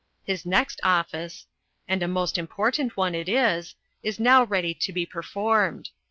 His next office, and a most important one it is, is now ready to be performed.